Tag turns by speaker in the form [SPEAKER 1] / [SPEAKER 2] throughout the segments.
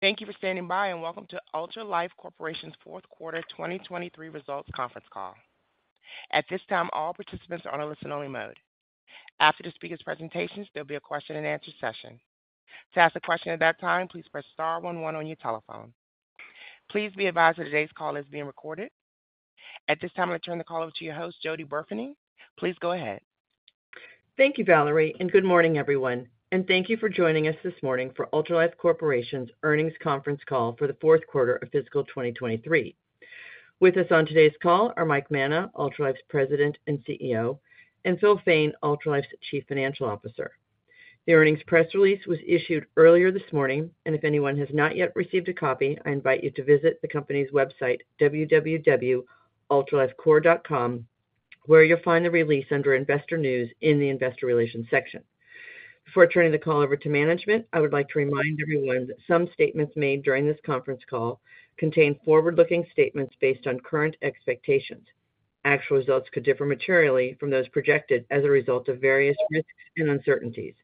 [SPEAKER 1] Thank you for standing by and welcome to Ultralife Corporation's fourth quarter 2023 results conference call. At this time, all participants are on a listen-only mode. After the speaker's presentations, there'll be a question-and-answer session. To ask a question at that time, please press star 11 on your telephone. Please be advised that today's call is being recorded. At this time, I'm going to turn the call over to your host, Jody Burfening. Please go ahead.
[SPEAKER 2] Thank you, Valerie, and good morning, everyone. Thank you for joining us this morning for Ultralife Corporation's earnings conference call for the fourth quarter of fiscal 2023. With us on today's call are Mike Manna, Ultralife's President and CEO, and Phil Fain, Ultralife's Chief Financial Officer. The earnings press release was issued earlier this morning, and if anyone has not yet received a copy, I invite you to visit the company's website, www.ultralifecorp.com, where you'll find the release under investor news in the investor relations section. Before turning the call over to management, I would like to remind everyone that some statements made during this conference call contain forward-looking statements based on current expectations. Actual results could differ materially from those projected as a result of various risks and uncertainties.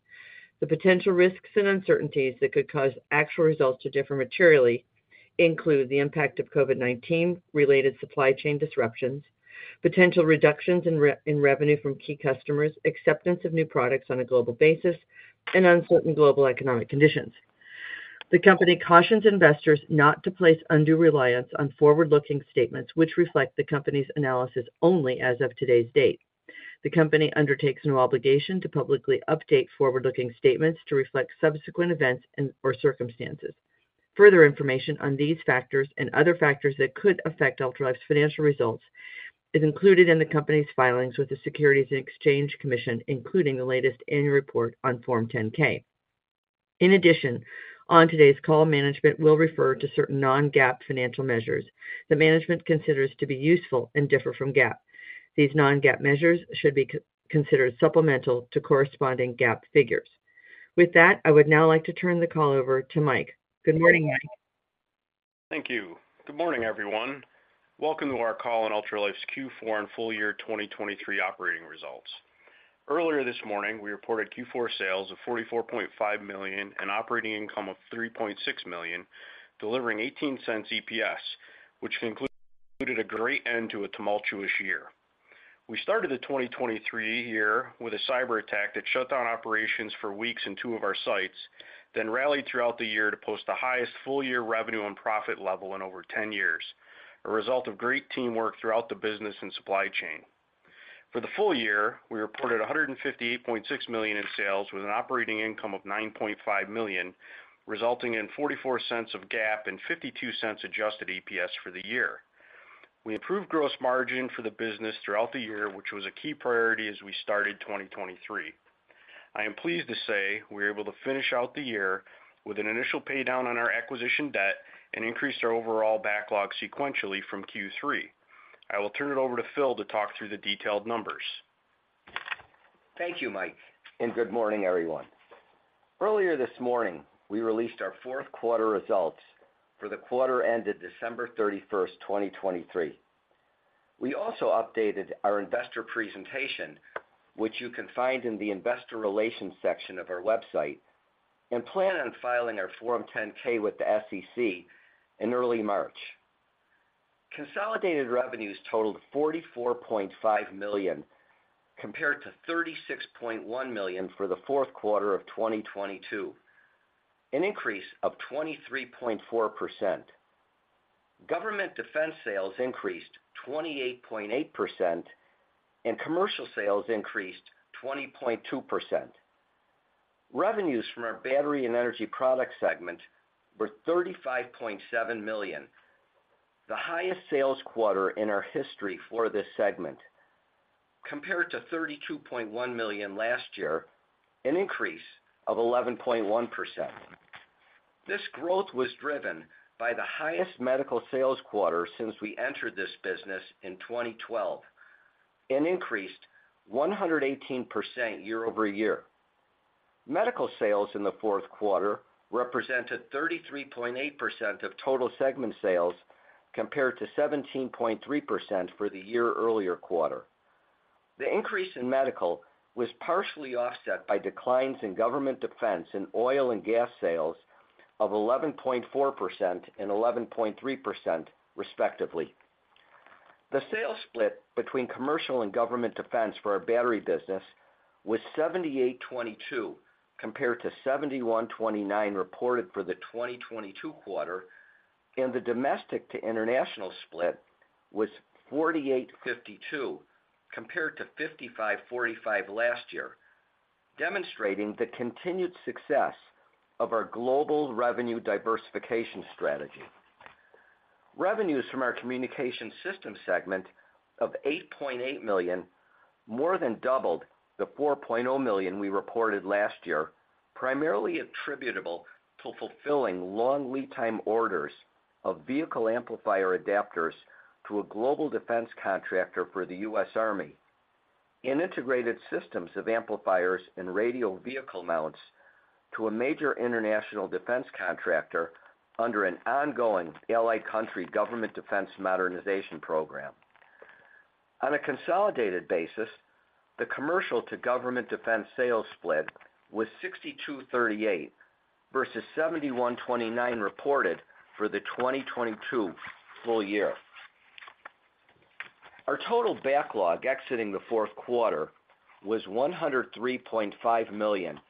[SPEAKER 2] The potential risks and uncertainties that could cause actual results to differ materially include the impact of COVID-19-related supply chain disruptions, potential reductions in revenue from key customers, acceptance of new products on a global basis, and uncertain global economic conditions. The company cautions investors not to place undue reliance on forward-looking statements which reflect the company's analysis only as of today's date. The company undertakes no obligation to publicly update forward-looking statements to reflect subsequent events or circumstances. Further information on these factors and other factors that could affect Ultralife's financial results is included in the company's filings with the Securities and Exchange Commission, including the latest annual report on Form 10-K. In addition, on today's call, management will refer to certain non-GAAP financial measures that management considers to be useful and differ from GAAP. These non-GAAP measures should be considered supplemental to corresponding GAAP figures. With that, I would now like to turn the call over to Mike. Good morning, Mike.
[SPEAKER 3] Thank you. Good morning, everyone. Welcome to our call on Ultralife's Q4 and full year 2023 operating results. Earlier this morning, we reported Q4 sales of $44.5 million and operating income of $3.6 million, delivering $0.18 EPS, which concluded a great end to a tumultuous year. We started the 2023 year with a cyber attack that shut down operations for weeks in two of our sites, then rallied throughout the year to post the highest full year revenue and profit level in over 10 years, a result of great teamwork throughout the business and supply chain. For the full year, we reported $158.6 million in sales with an operating income of $9.5 million, resulting in $0.44 of GAAP and $0.52 adjusted EPS for the year. We improved gross margin for the business throughout the year, which was a key priority as we started 2023. I am pleased to say we were able to finish out the year with an initial paydown on our acquisition debt and increase our overall backlog sequentially from Q3. I will turn it over to Phil to talk through the detailed numbers.
[SPEAKER 4] Thank you, Mike, and good morning, everyone. Earlier this morning, we released our fourth quarter results for the quarter ended December 31st, 2023. We also updated our investor presentation, which you can find in the investor relations section of our website, and plan on filing our Form 10-K with the SEC in early March. Consolidated revenues totaled $44.5 million compared to $36.1 million for the fourth quarter of 2022, an increase of 23.4%. Government defense sales increased 28.8%, and commercial sales increased 20.2%. Revenues from our battery and energy product segment were $35.7 million, the highest sales quarter in our history for this segment, compared to $32.1 million last year, an increase of 11.1%. This growth was driven by the highest medical sales quarter since we entered this business in 2012, an increase 118% year-over-year. Medical sales in the fourth quarter represented 33.8% of total segment sales compared to 17.3% for the year earlier quarter. The increase in medical was partially offset by declines in government defense and oil and gas sales of 11.4% and 11.3%, respectively. The sales split between commercial and government defense for our battery business was 78.22 compared to 71.29 reported for the 2022 quarter, and the domestic-to-international split was 48:52 compared to 55:45 last year, demonstrating the continued success of our global revenue diversification strategy. Revenues from our communication systems segment of $8.8 million more than doubled the $4 million we reported last year, primarily attributable to fulfilling long lead-time orders of vehicle amplifier adapters to a global defense contractor for the US Army and integrated systems of amplifiers and radio vehicle mounts to a major international defense contractor under an ongoing allied country government defense modernization program. On a consolidated basis, the commercial-to-government defense sales split was 62:38 versus 71:29 reported for the 2022 full year. Our total backlog exiting the fourth quarter was $103.5 million,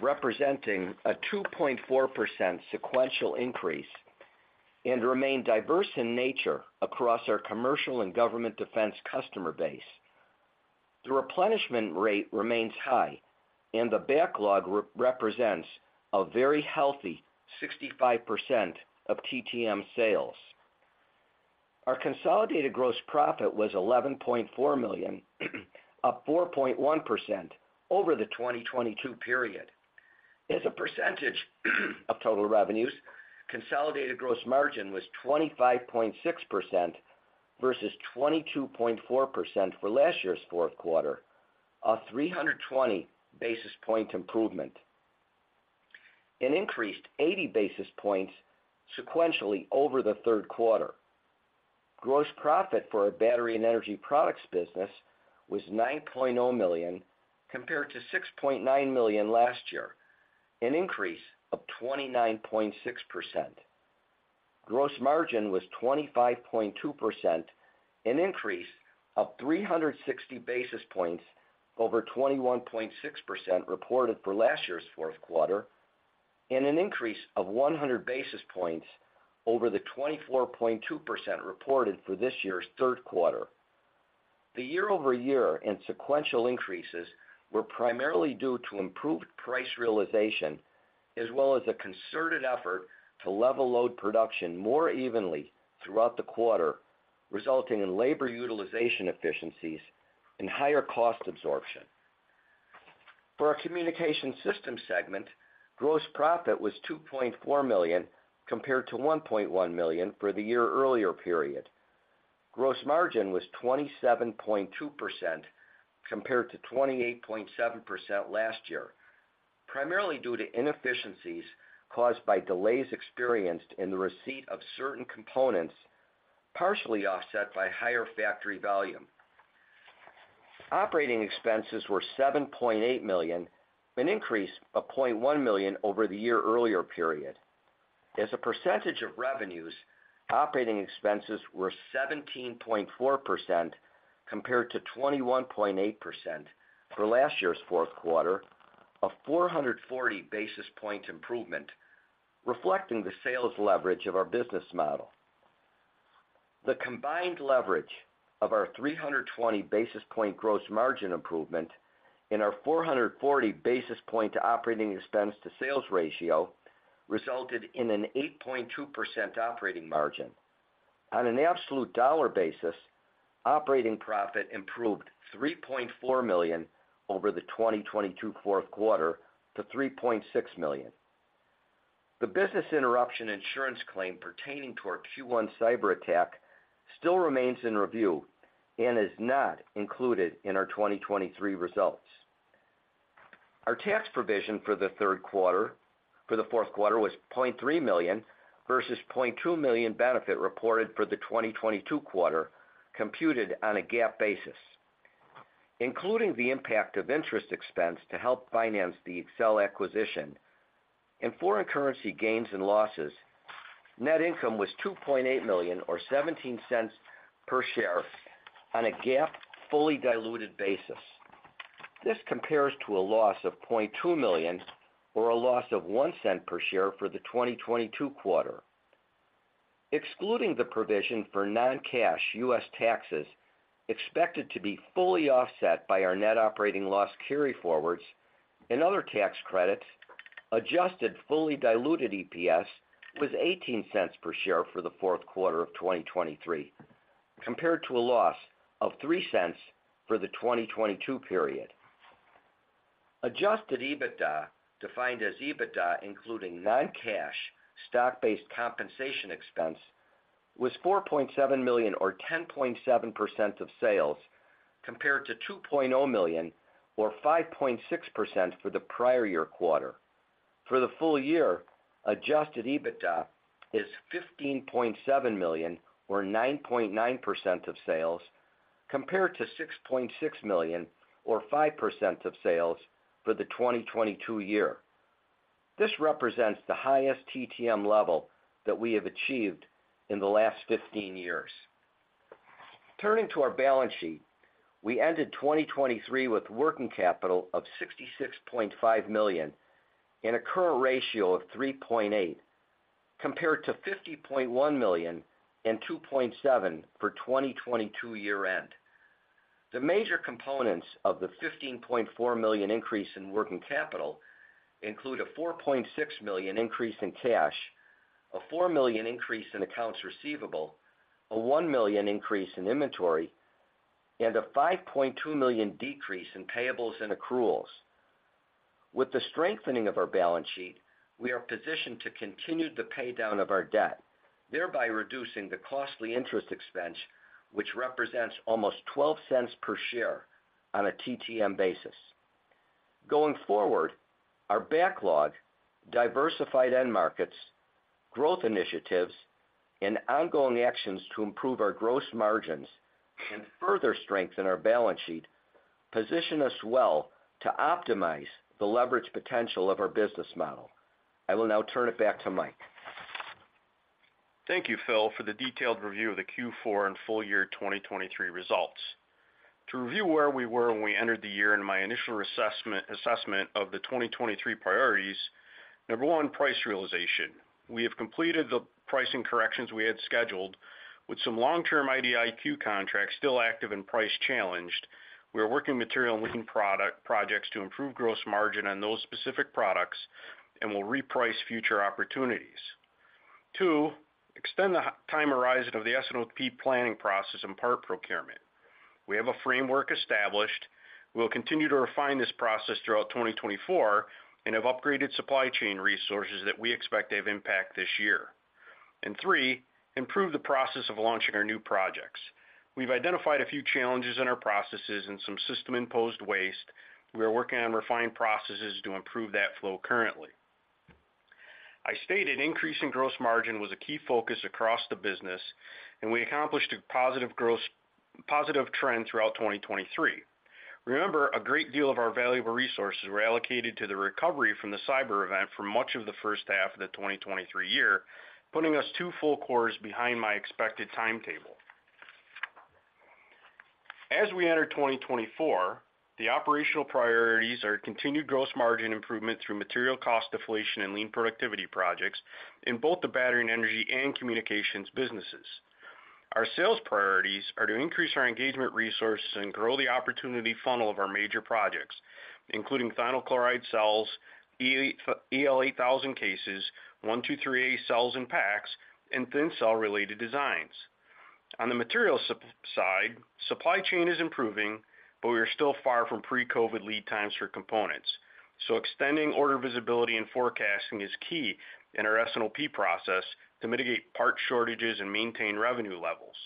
[SPEAKER 4] representing a 2.4% sequential increase, and remained diverse in nature across our commercial and government defense customer base. The replenishment rate remains high, and the backlog represents a very healthy 65% of TTM sales. Our consolidated gross profit was $11.4 million, up 4.1% over the 2022 period. As a percentage of total revenues, consolidated gross margin was 25.6% versus 22.4% for last year's fourth quarter, a 320 basis point improvement, an increase 80 basis points sequentially over the third quarter. Gross profit for our battery and energy products business was $9 million compared to $6.9 million last year, an increase of 29.6%. Gross margin was 25.2%, an increase of 360 basis points over 21.6% reported for last year's fourth quarter, and an increase of 100 basis points over the 24.2% reported for this year's third quarter. The year-over-year and sequential increases were primarily due to improved price realization as well as a concerted effort to level load production more evenly throughout the quarter, resulting in labor utilization efficiencies and higher cost absorption. For our communication systems segment, gross profit was $2.4 million compared to $1.1 million for the year earlier period. Gross margin was 27.2% compared to 28.7% last year, primarily due to inefficiencies caused by delays experienced in the receipt of certain components, partially offset by higher factory volume. Operating expenses were $7.8 million, an increase of $0.1 million over the year earlier period. As a percentage of revenues, operating expenses were 17.4% compared to 21.8% for last year's fourth quarter, a 440 basis point improvement, reflecting the sales leverage of our business model. The combined leverage of our 320 basis point gross margin improvement and our 440 basis point operating expense-to-sales ratio resulted in an 8.2% operating margin. On an absolute dollar basis, operating profit improved $3.4 million over the 2022 fourth quarter to $3.6 million. The business interruption insurance claim pertaining to our Q1 cyber attack still remains in review and is not included in our 2023 results. Our tax provision for the third quarter for the fourth quarter was $0.3 million versus $0.2 million benefit reported for the 2022 quarter, computed on a GAAP basis. Including the impact of interest expense to help finance the Excell acquisition and foreign currency gains and losses, net income was $2.8 million or $0.17 per share on a GAAP fully diluted basis. This compares to a loss of $0.2 million or a loss of $0.01 per share for the 2022 quarter. Excluding the provision for non-cash U.S. taxes expected to be fully offset by our net operating loss carry forwards and other tax credits, adjusted fully diluted EPS was $0.18 per share for the fourth quarter of 2023, compared to a loss of $0.03 for the 2022 period. Adjusted EBITDA, defined as EBITDA including non-cash stock-based compensation expense, was $4.7 million or 10.7% of sales, compared to $2 million or 5.6% for the prior year quarter. For the full year, adjusted EBITDA is $15.7 million or 9.9% of sales, compared to $6.6 million or 5% of sales for the 2022 year. This represents the highest TTM level that we have achieved in the last 15 years. Turning to our balance sheet, we ended 2023 with working capital of $66.5 million and a current ratio of 3.8, compared to $50.1 million and 2.7 for 2022 year-end. The major components of the $15.4 million increase in working capital include a $4.6 million increase in cash, a $4 million increase in accounts receivable, a $1 million increase in inventory, and a $5.2 million decrease in payables and accruals. With the strengthening of our balance sheet, we are positioned to continue the paydown of our debt, thereby reducing the costly interest expense, which represents almost $0.12 per share on a TTM basis. Going forward, our backlog, diversified end markets, growth initiatives, and ongoing actions to improve our gross margins and further strengthen our balance sheet position us well to optimize the leverage potential of our business model. I will now turn it back to Mike.
[SPEAKER 3] Thank you, Phil, for the detailed review of the Q4 and full year 2023 results. To review where we were when we entered the year and my initial assessment of the 2023 priorities: Number one, price realization. We have completed the pricing corrections we had scheduled, with some long-term IDIQ contracts still active and price challenged. We are working material and lean projects to improve gross margin on those specific products and will reprice future opportunities. Two, extend the time horizon of the S&OP planning process and part procurement. We have a framework established. We will continue to refine this process throughout 2024 and have upgraded supply chain resources that we expect to have impact this year. And three, improve the process of launching our new projects. We've identified a few challenges in our processes and some system-imposed waste. We are working on refined processes to improve that flow currently. I stated increasing gross margin was a key focus across the business, and we accomplished a positive trend throughout 2023. Remember, a great deal of our valuable resources were allocated to the recovery from the cyber event for much of the first half of the 2023 year, putting us two full quarters behind my expected timetable. As we enter 2024, the operational priorities are continued gross margin improvement through material cost deflation and lean productivity projects in both the battery and energy and communications businesses. Our sales priorities are to increase our engagement resources and grow the opportunity funnel of our major projects, including thionyl chloride cells, EL8000 cases, 123A cells in packs, and Thin Cell-related designs. On the materials side, supply chain is improving, but we are still far from pre-COVID lead times for components, so extending order visibility and forecasting is key in our S&OP process to mitigate part shortages and maintain revenue levels.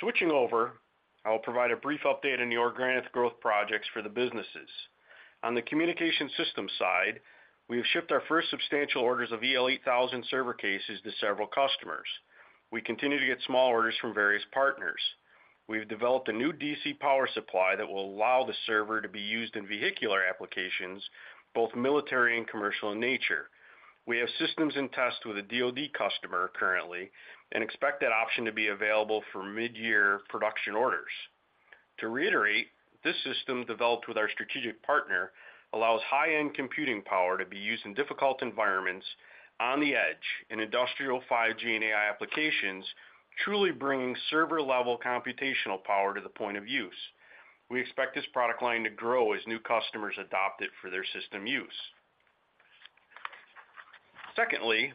[SPEAKER 3] Switching over, I will provide a brief update on the organic growth projects for the businesses. On the communication systems side, we have shipped our first substantial orders of EL8000 server cases to several customers. We continue to get small orders from various partners. We have developed a new DC power supply that will allow the server to be used in vehicular applications, both military and commercial in nature. We have systems in test with a DoD customer currently and expect that option to be available for mid-year production orders. To reiterate, this system developed with our strategic partner allows high-end computing power to be used in difficult environments on the edge in industrial 5G and AI applications, truly bringing server-level computational power to the point of use. We expect this product line to grow as new customers adopt it for their system use. Secondly,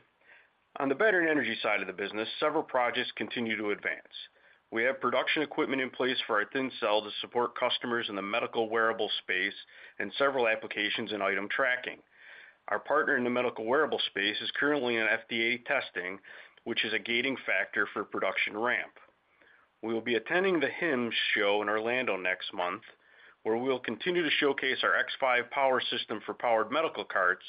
[SPEAKER 3] on the battery and energy side of the business, several projects continue to advance. We have production equipment in place for our Thin Cell to support customers in the medical wearable space and several applications in item tracking. Our partner in the medical wearable space is currently in FDA testing, which is a gating factor for production ramp. We will be attending the HIMSS show in Orlando next month, where we will continue to showcase our X5 Power System for powered medical carts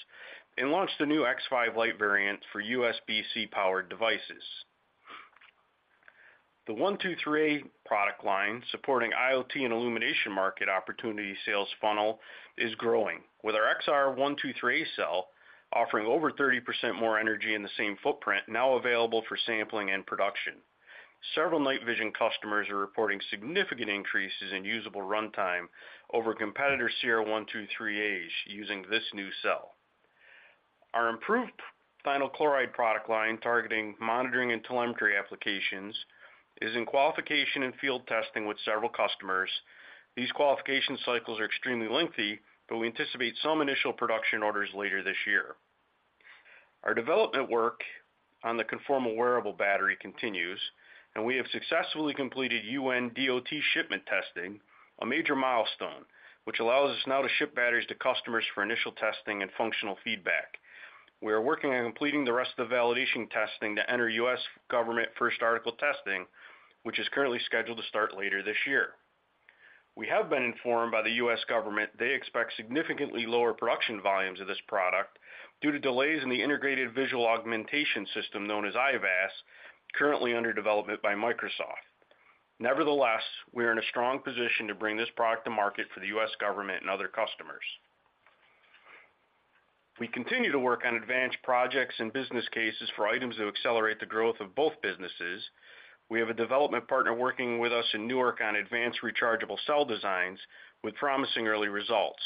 [SPEAKER 3] and launch the new X5-LITE variant for USB-C powered devices. The 123A product line, supporting IoT and illumination market opportunity sales funnel, is growing, with our XR123A cell offering over 30% more energy in the same footprint now available for sampling and production. Several night vision customers are reporting significant increases in usable runtime over competitor CR123As using this new cell. Our improved thionyl chloride product line, targeting monitoring and telemetry applications, is in qualification and field testing with several customers. These qualification cycles are extremely lengthy, but we anticipate some initial production orders later this year. Our development work on the Conformal Wearable Battery continues, and we have successfully completed UN/DOT shipment testing, a major milestone, which allows us now to ship batteries to customers for initial testing and functional feedback. We are working on completing the rest of the validation testing to enter the US government first-article testing, which is currently scheduled to start later this year. We have been informed by the US government they expect significantly lower production volumes of this product due to delays in the Integrated Visual Augmentation System known as IVAS, currently under development by Microsoft. Nevertheless, we are in a strong position to bring this product to market for the US government and other customers. We continue to work on advanced projects and business cases for items that accelerate the growth of both businesses. We have a development partner working with us in Newark on advanced rechargeable cell designs, with promising early results.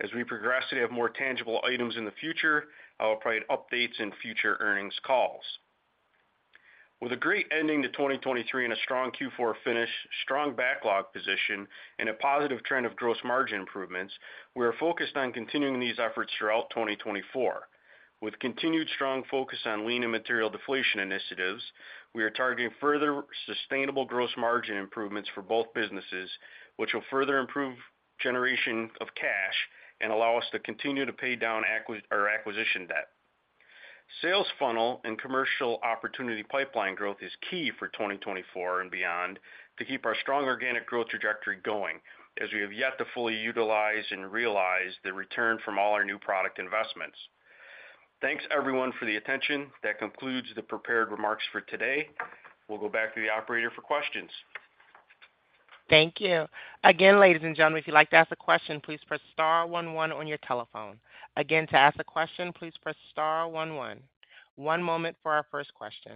[SPEAKER 3] As we progress to have more tangible items in the future, I will provide updates in future earnings calls. With a great ending to 2023 and a strong Q4 finish, strong backlog position, and a positive trend of gross margin improvements, we are focused on continuing these efforts throughout 2024. With continued strong focus on lean and material deflation initiatives, we are targeting further sustainable gross margin improvements for both businesses, which will further improve generation of cash and allow us to continue to pay down our acquisition debt. Sales funnel and commercial opportunity pipeline growth is key for 2024 and beyond to keep our strong organic growth trajectory going, as we have yet to fully utilize and realize the return from all our new product investments. Thanks, everyone, for the attention. That concludes the prepared remarks for today. We'll go back to the operator for questions.
[SPEAKER 1] Thank you. Again, ladies and gentlemen, if you'd like to ask a question, please press star one one on your telephone. Again, to ask a question, please press star one one. One moment for our first question.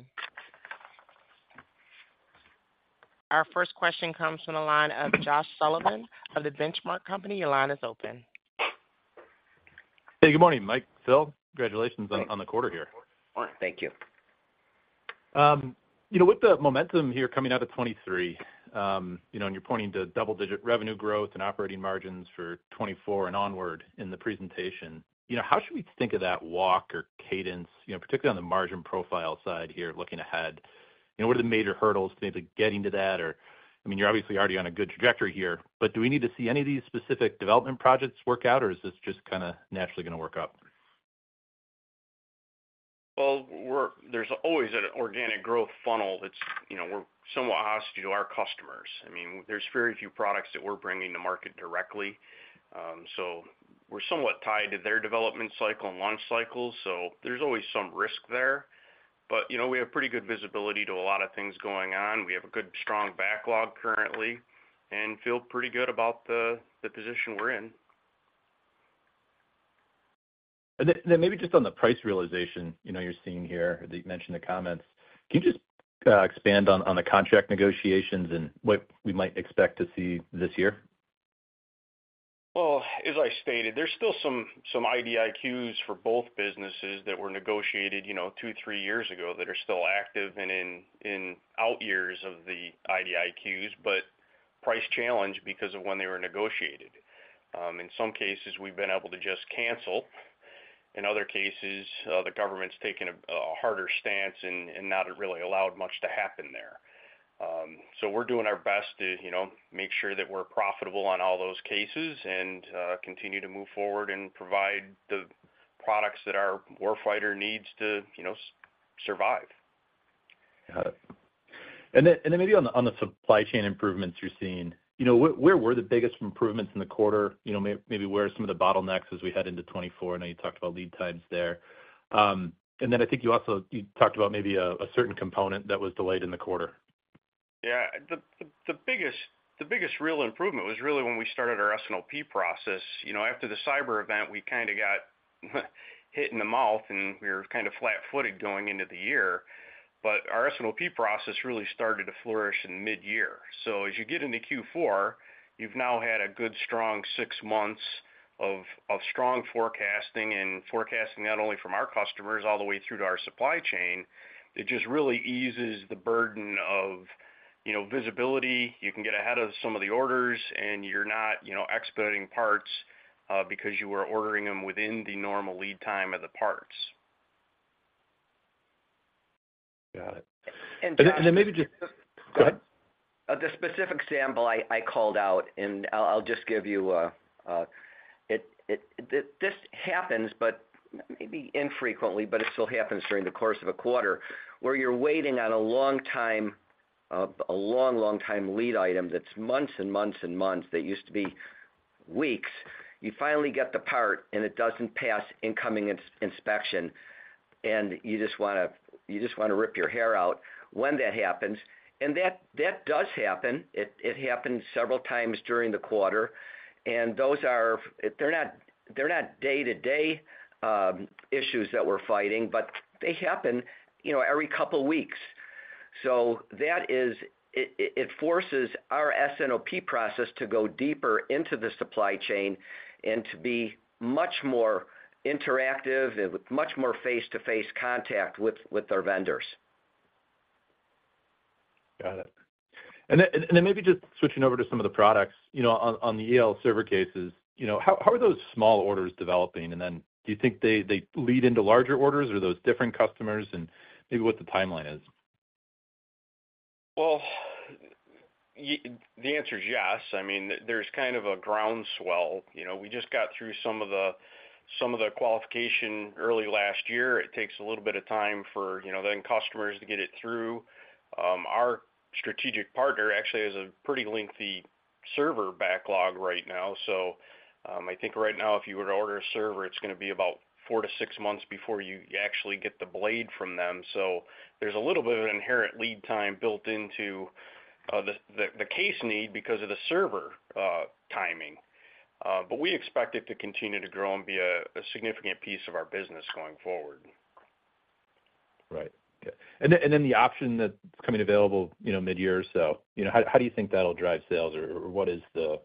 [SPEAKER 1] Our first question comes from the line of Josh Sullivan of The Benchmark Company. Your line is open.
[SPEAKER 5] Hey, good morning, Mike. Phil, congratulations on the quarter here.
[SPEAKER 3] All right. Thank you.
[SPEAKER 5] With the momentum here coming out of 2023, and you're pointing to double-digit revenue growth and operating margins for 2024 and onward in the presentation, how should we think of that walk or cadence, particularly on the margin profile side here looking ahead? What are the major hurdles to getting to that? I mean, you're obviously already on a good trajectory here, but do we need to see any of these specific development projects work out, or is this just kind of naturally going to work up?
[SPEAKER 3] Well, there's always an organic growth funnel that we're somewhat beholden to our customers. I mean, there's very few products that we're bringing to market directly, so we're somewhat tied to their development cycle and launch cycle, so there's always some risk there. But we have pretty good visibility to a lot of things going on. We have a good, strong backlog currently and feel pretty good about the position we're in.
[SPEAKER 5] Maybe just on the price realization you're seeing here, you mentioned the comments. Can you just expand on the contract negotiations and what we might expect to see this year?
[SPEAKER 3] Well, as I stated, there's still some IDIQs for both businesses that were negotiated two, three years ago that are still active and in out years of the IDIQs, but price challenge because of when they were negotiated. In some cases, we've been able to just cancel. In other cases, the government's taken a harder stance and not really allowed much to happen there. So we're doing our best to make sure that we're profitable on all those cases and continue to move forward and provide the products that our warfighter needs to survive.
[SPEAKER 5] Got it. And then maybe on the supply chain improvements you're seeing, where were the biggest improvements in the quarter? Maybe where are some of the bottlenecks as we head into 2024? I know you talked about lead times there. And then I think you also talked about maybe a certain component that was delayed in the quarter.
[SPEAKER 3] Yeah. The biggest real improvement was really when we started our S&OP process. After the cyber event, we kind of got hit in the mouth, and we were kind of flat-footed going into the year. But our S&OP process really started to flourish in mid-year. So as you get into Q4, you've now had a good, strong six months of strong forecasting and forecasting not only from our customers all the way through to our supply chain. It just really eases the burden of visibility. You can get ahead of some of the orders, and you're not expediting parts because you were ordering them within the normal lead time of the parts.
[SPEAKER 5] Got it.
[SPEAKER 3] And then maybe just go ahead.
[SPEAKER 4] The specific sample I called out, and I'll just give you this happens, but maybe infrequently, but it still happens during the course of a quarter, where you're waiting on a long-time lead item that's months and months and months that used to be weeks. You finally get the part, and it doesn't pass incoming inspection, and you just want to rip your hair out when that happens. And that does happen. It happens several times during the quarter. And they're not day-to-day issues that we're fighting, but they happen every couple of weeks. So it forces our S&OP process to go deeper into the supply chain and to be much more interactive and with much more face-to-face contact with our vendors.
[SPEAKER 5] Got it. And then maybe just switching over to some of the products on the EL8000 server cases, how are those small orders developing? And then do you think they lead into larger orders, or are those different customers? And maybe what the timeline is.
[SPEAKER 3] Well, the answer is yes. I mean, there's kind of a groundswell. We just got through some of the qualification early last year. It takes a little bit of time for then customers to get it through. Our strategic partner actually has a pretty lengthy server backlog right now. So I think right now, if you were to order a server, it's going to be about four to six months before you actually get the blade from them. So there's a little bit of an inherent lead time built into the case need because of the server timing. But we expect it to continue to grow and be a significant piece of our business going forward.
[SPEAKER 5] Right. Okay. And then the option that's coming available mid-year, so how do you think that'll drive sales, or what is the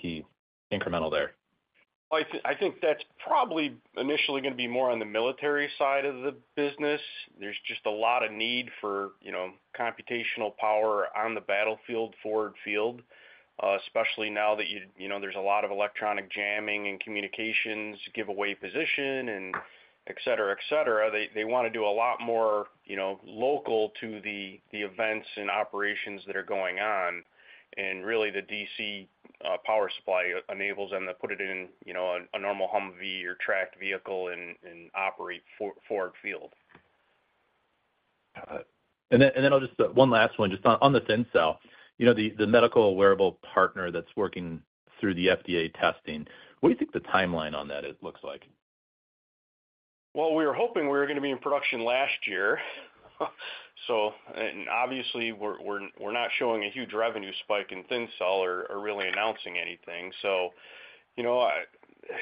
[SPEAKER 5] key incremental there?
[SPEAKER 3] Well, I think that's probably initially going to be more on the military side of the business. There's just a lot of need for computational power on the battlefield, forward field, especially now that there's a lot of electronic jamming and communications, giveaway position, and etc., etc. They want to do a lot more local to the events and operations that are going on. And really, the DC power supply enables them to put it in a normal Humvee or tracked vehicle and operate forward field.
[SPEAKER 5] Got it. And then I'll just one last one, just on the Thin Cell, the medical wearable partner that's working through the FDA testing, what do you think the timeline on that looks like?
[SPEAKER 3] Well, we were hoping we were going to be in production last year. And obviously, we're not showing a huge revenue spike in Thin Cell or really announcing anything. So the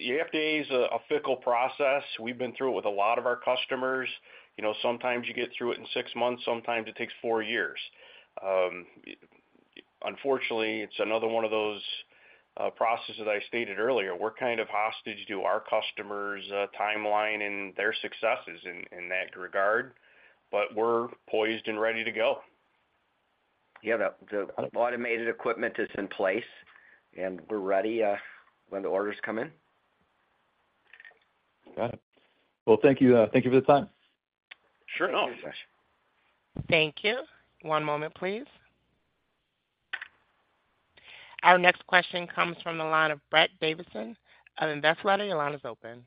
[SPEAKER 3] FDA is a fickle process. We've been through it with a lot of our customers. Sometimes you get through it in six months. Sometimes it takes four years. Unfortunately, it's another one of those processes that I stated earlier. We're kind of hostage to our customers' timeline and their successes in that regard, but we're poised and ready to go. Yeah. The automated equipment is in place, and we're ready when the orders come in.
[SPEAKER 5] Got it. Well, thank you for the time.
[SPEAKER 3] Sure enough.
[SPEAKER 4] Thank you, Josh.
[SPEAKER 1] Thank you. One moment, please. Our next question comes from the line of Brett Davidson of Investletter. Your line is open.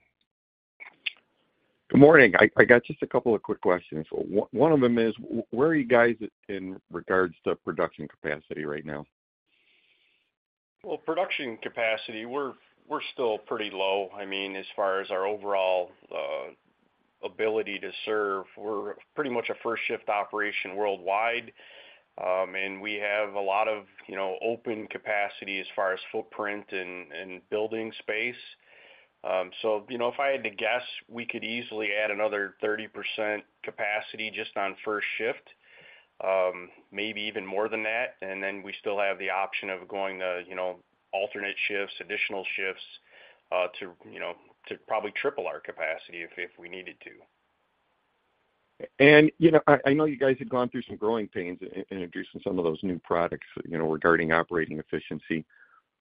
[SPEAKER 6] Good morning. I got just a couple of quick questions. One of them is, where are you guys in regards to production capacity right now?
[SPEAKER 3] Well, production capacity, we're still pretty low. I mean, as far as our overall ability to serve, we're pretty much a first-shift operation worldwide, and we have a lot of open capacity as far as footprint and building space. So if I had to guess, we could easily add another 30% capacity just on first shift, maybe even more than that. And then we still have the option of going to alternate shifts, additional shifts to probably triple our capacity if we needed to.
[SPEAKER 6] I know you guys had gone through some growing pains introducing some of those new products regarding operating efficiency.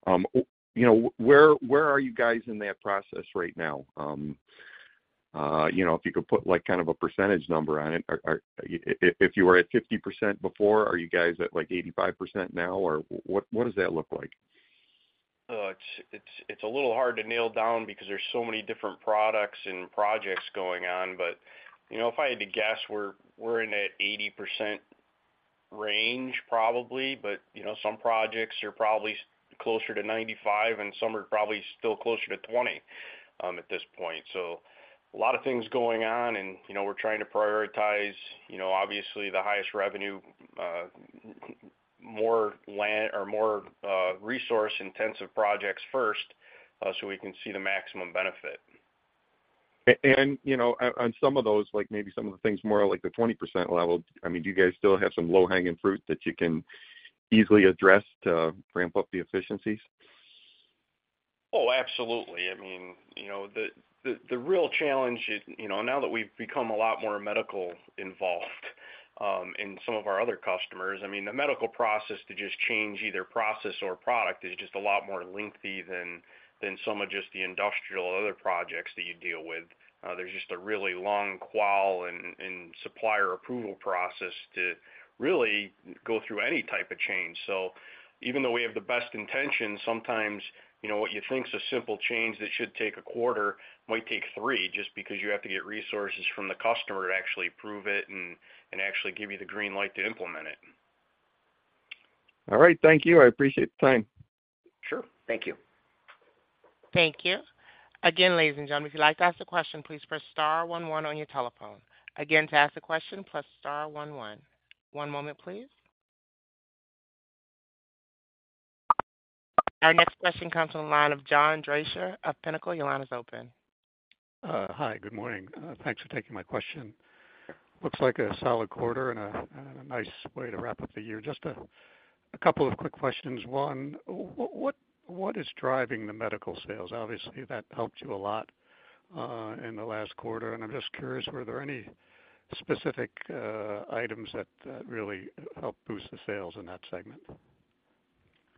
[SPEAKER 6] Where are you guys in that process right now? If you could put kind of a percentage number on it, if you were at 50% before, are you guys at 85% now, or what does that look like?
[SPEAKER 3] It's a little hard to nail down because there's so many different products and projects going on. But if I had to guess, we're in that 80% range, probably. But some projects are probably closer to 95%, and some are probably still closer to 20% at this point. So a lot of things going on, and we're trying to prioritize, obviously, the highest revenue, more resource-intensive projects first so we can see the maximum benefit.
[SPEAKER 6] On some of those, maybe some of the things more like the 20% level, I mean, do you guys still have some low-hanging fruit that you can easily address to ramp up the efficiencies?
[SPEAKER 3] Oh, absolutely. I mean, the real challenge, now that we've become a lot more medically involved in some of our other customers, I mean, the medical process to just change either process or product is just a lot more lengthy than some of just the industrial other projects that you deal with. There's just a really long qual and supplier approval process to really go through any type of change. So even though we have the best intentions, sometimes what you think's a simple change that should take a quarter might take three just because you have to get resources from the customer to actually approve it and actually give you the green light to implement it.
[SPEAKER 6] All right. Thank you. I appreciate the time.
[SPEAKER 3] Sure. Thank you.
[SPEAKER 1] Thank you. Again, ladies and gentlemen, if you'd like to ask a question, please press star one one on your telephone. Again, to ask a question, press star one one. One moment, please. Our next question comes from the line of John Drescher of Pinnacle. Your line is open.
[SPEAKER 7] Hi. Good morning. Thanks for taking my question. Looks like a solid quarter and a nice way to wrap up the year. Just a couple of quick questions. One, what is driving the medical sales? Obviously, that helped you a lot in the last quarter. And I'm just curious, were there any specific items that really helped boost the sales in that segment?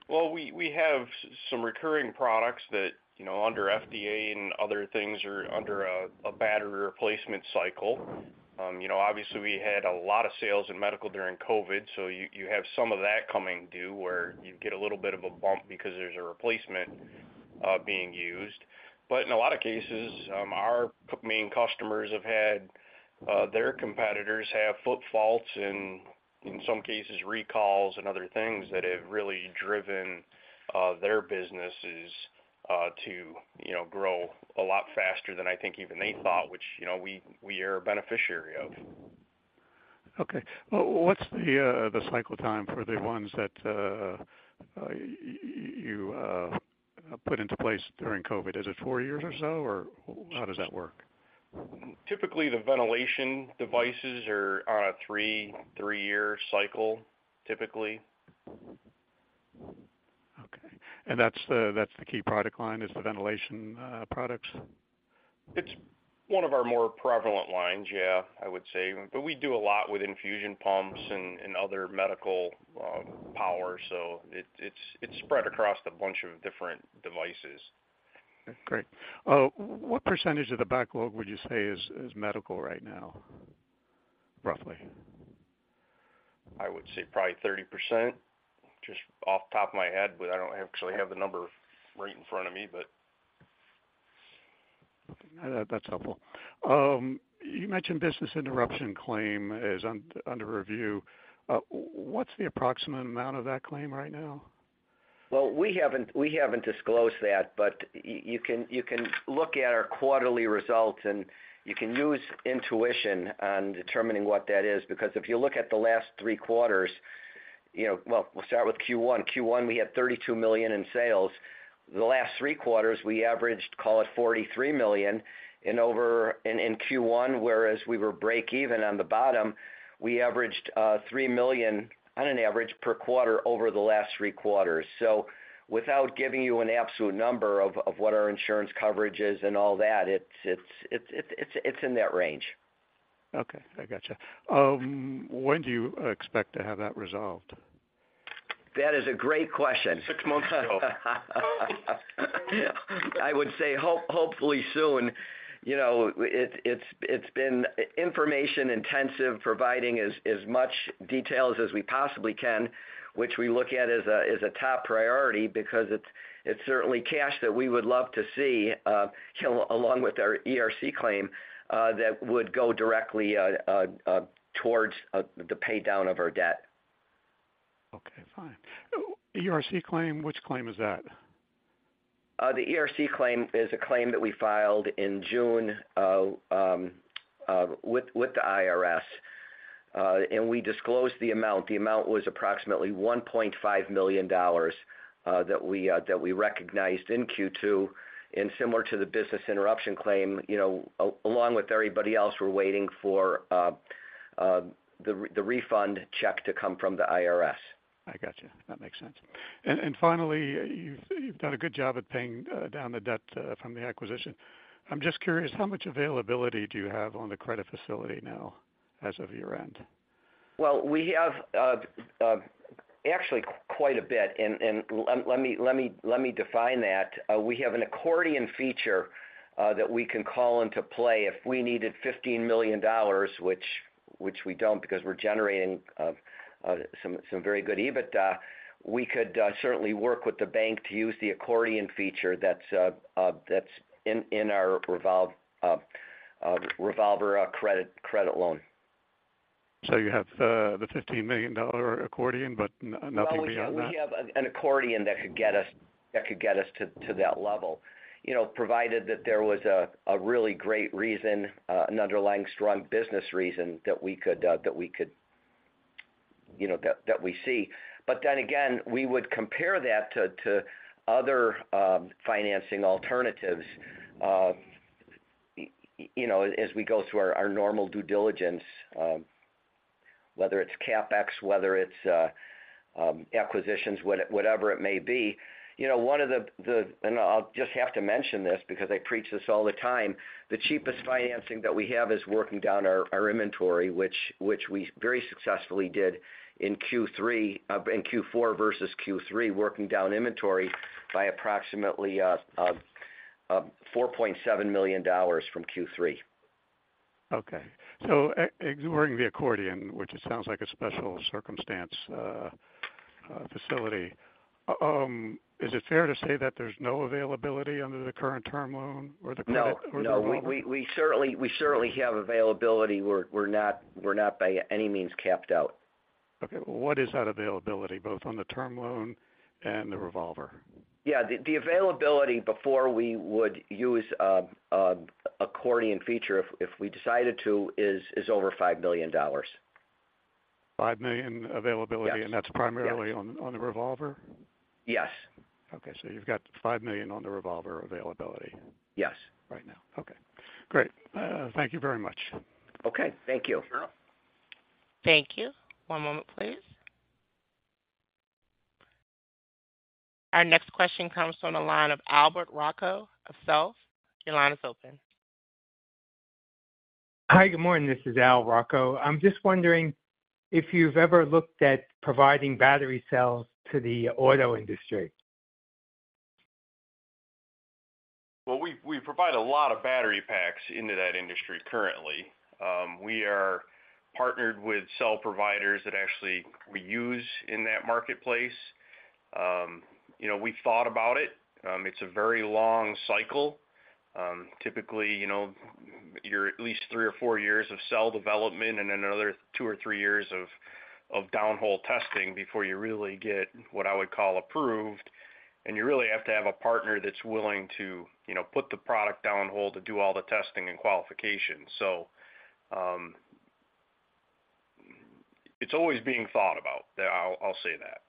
[SPEAKER 3] Well, we have some recurring products that under FDA and other things are under a battery replacement cycle. Obviously, we had a lot of sales in medical during COVID, so you have some of that coming due where you get a little bit of a bump because there's a replacement being used. But in a lot of cases, our main customers have had their competitors have foot faults and in some cases, recalls and other things that have really driven their businesses to grow a lot faster than I think even they thought, which we are a beneficiary of.
[SPEAKER 7] Okay. What's the cycle time for the ones that you put into place during COVID? Is it four years or so, or how does that work?
[SPEAKER 3] Typically, the ventilation devices are on a three-year cycle, typically.
[SPEAKER 7] Okay. That's the key product line, is the ventilation products?
[SPEAKER 3] It's one of our more prevalent lines, yeah, I would say. But we do a lot with infusion pumps and other medical power, so it's spread across a bunch of different devices.
[SPEAKER 7] Great. What percentage of the backlog would you say is medical right now, roughly?
[SPEAKER 3] I would say probably 30%, just off the top of my head. I don't actually have the number right in front of me, but.
[SPEAKER 7] That's helpful. You mentioned business interruption claim is under review. What's the approximate amount of that claim right now?
[SPEAKER 4] Well, we haven't disclosed that, but you can look at our quarterly results, and you can use intuition on determining what that is. Because if you look at the last three quarters, well, we'll start with Q1. Q1, we had $32 million in sales. The last three quarters, we averaged, call it, $43 million. And in Q1, whereas we were break-even on the bottom, we averaged $3 million, on an average, per quarter over the last three quarters. So without giving you an absolute number of what our insurance coverage is and all that, it's in that range.
[SPEAKER 7] Okay. I gotcha. When do you expect to have that resolved?
[SPEAKER 4] That is a great question.
[SPEAKER 3] Six months ago.
[SPEAKER 4] I would say hopefully soon. It's been information-intensive, providing as much detail as we possibly can, which we look at as a top priority because it's certainly cash that we would love to see along with our ERC claim that would go directly towards the paydown of our debt.
[SPEAKER 7] Okay. Fine. ERC claim, which claim is that?
[SPEAKER 4] The ERC claim is a claim that we filed in June with the IRS, and we disclosed the amount. The amount was approximately $1.5 million that we recognized in Q2. Similar to the business interruption claim, along with everybody else, we're waiting for the refund check to come from the IRS.
[SPEAKER 7] I gotcha. That makes sense. And finally, you've done a good job at paying down the debt from the acquisition. I'm just curious, how much availability do you have on the credit facility now as of your end?
[SPEAKER 4] Well, we have actually quite a bit. Let me define that. We have an accordion feature that we can call into play if we needed $15 million, which we don't because we're generating some very good EBITDA. We could certainly work with the bank to use the accordion feature that's in our revolver credit loan.
[SPEAKER 7] So you have the $15 million accordion, but nothing beyond that?
[SPEAKER 4] Well, yeah. We have an accordion that could get us to that level, provided that there was a really great reason, an underlying strong business reason that we could that we see. But then again, we would compare that to other financing alternatives as we go through our normal due diligence, whether it's CapEx, whether it's acquisitions, whatever it may be. One of the and I'll just have to mention this because I preach this all the time. The cheapest financing that we have is working down our inventory, which we very successfully did in Q3 in Q4 versus Q3, working down inventory by approximately $4.7 million from Q3.
[SPEAKER 7] Okay. So exporting the accordion, which it sounds like a special circumstance facility, is it fair to say that there's no availability under the current term loan or the credit?
[SPEAKER 4] No. No. We certainly have availability. We're not by any means capped out.
[SPEAKER 7] Okay. Well, what is that availability, both on the term loan and the revolver?
[SPEAKER 4] Yeah. The availability before we would use an accordion feature, if we decided to, is over $5 million.
[SPEAKER 7] $5 million availability, and that's primarily on the revolver?
[SPEAKER 4] Yes.
[SPEAKER 7] Okay. So you've got $5 million on the revolver availability right now?
[SPEAKER 4] Yes.
[SPEAKER 7] Okay. Great. Thank you very much.
[SPEAKER 4] Okay. Thank you.
[SPEAKER 1] Sure enough. Thank you. One moment, please. Our next question comes from the line of Albert Rocco of Self. Your line is open.
[SPEAKER 8] Hi. Good morning. This is Al Rocco. I'm just wondering if you've ever looked at providing battery cells to the auto industry?
[SPEAKER 3] Well, we provide a lot of battery packs into that industry currently. We are partnered with cell providers that actually we use in that marketplace. We've thought about it. It's a very long cycle. Typically, you're at least three or four years of cell development and then another two or three years of downhole testing before you really get what I would call approved. And you really have to have a partner that's willing to put the product downhole to do all the testing and qualifications. So it's always being thought about. I'll say that.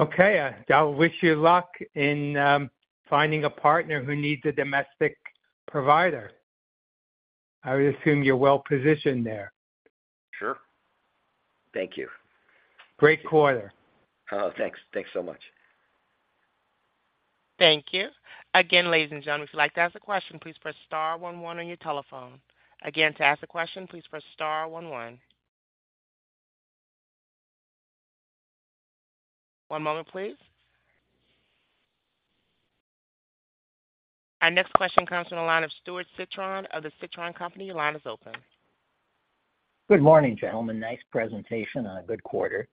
[SPEAKER 8] Okay. I'll wish you luck in finding a partner who needs a domestic provider. I would assume you're well-positioned there.
[SPEAKER 3] Sure. Thank you.
[SPEAKER 8] Great quarter.
[SPEAKER 3] Thanks. Thanks so much.
[SPEAKER 1] Thank you. Again, ladies and gentlemen, if you'd like to ask a question, please press star one one on your telephone. Again, to ask a question, please press star one one. One moment, please. Our next question comes from the line of Stuart Citron of the Citron Company. Your line is open.
[SPEAKER 9] Good morning, gentlemen. Nice presentation on a good quarter.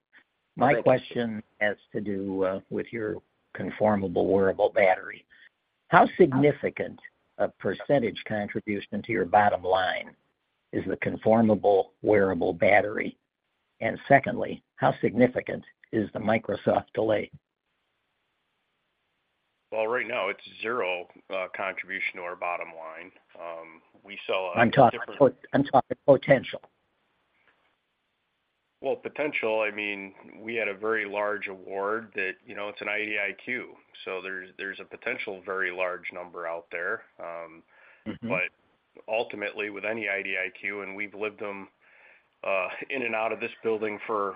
[SPEAKER 9] My question has to do with your Conformal Wearable Battery. How significant a percentage contribution to your bottom line is the Conformal Wearable Battery? And secondly, how significant is the Microsoft delay?
[SPEAKER 3] Well, right now, it's zero contribution to our bottom line. We sell a different.
[SPEAKER 9] I'm talking potential.
[SPEAKER 3] Well, potential. I mean, we had a very large award that it's an IDIQ. So there's a potential very large number out there. But ultimately, with any IDIQ, and we've lived them in and out of this building for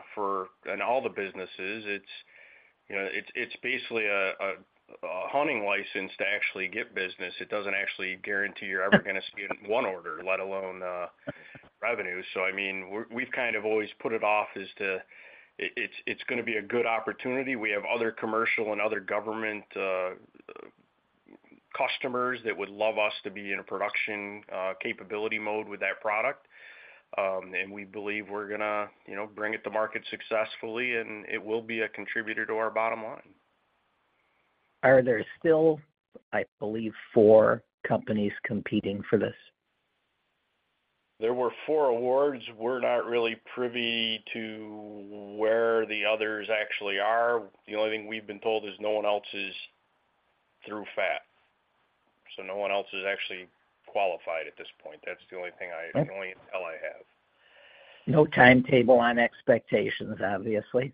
[SPEAKER 3] and all the businesses, it's basically a hunting license to actually get business. It doesn't actually guarantee you're ever going to see it in one order, let alone revenue. So I mean, we've kind of always put it off as to it's going to be a good opportunity. We have other commercial and other government customers that would love us to be in a production capability mode with that product. And we believe we're going to bring it to market successfully, and it will be a contributor to our bottom line.
[SPEAKER 9] Are there still, I believe, four companies competing for this?
[SPEAKER 3] There were four awards. We're not really privy to where the others actually are. The only thing we've been told is no one else is through FAT. So no one else is actually qualified at this point. That's the only thing, the only intel I have.
[SPEAKER 9] No timetable on expectations, obviously?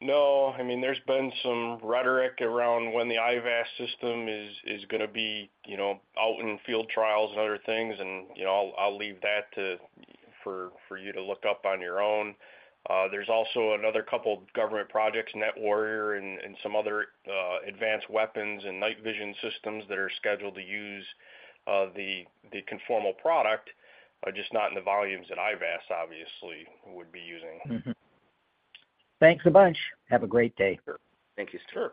[SPEAKER 3] No. I mean, there's been some rhetoric around when the IVAS system is going to be out in field trials and other things, and I'll leave that for you to look up on your own. There's also another couple of government projects, Nett Warrior and some other advanced weapons and night vision systems that are scheduled to use the conformal product, just not in the volumes that IVAS, obviously, would be using.
[SPEAKER 9] Thanks a bunch. Have a great day.
[SPEAKER 3] Sure. Thank you. Sure.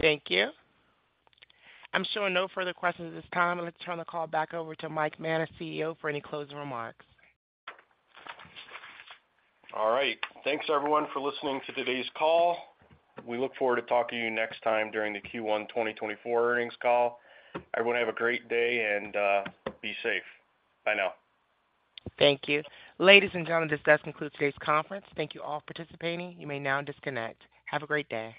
[SPEAKER 1] Thank you. I'm showing no further questions at this time. I'm going to turn the call back over to Mike Manna, CEO, for any closing remarks.
[SPEAKER 3] All right. Thanks, everyone, for listening to today's call. We look forward to talking to you next time during the Q1 2024 earnings call. Everyone, have a great day and be safe. Bye now.
[SPEAKER 1] Thank you. Ladies and gentlemen, this does conclude today's conference. Thank you all for participating. You may now disconnect. Have a great day.